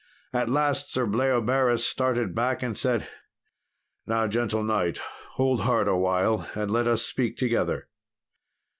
At last Sir Bleoberis started back and said, "Now, gentle knight, hold hard awhile, and let us speak together."